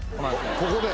ここで？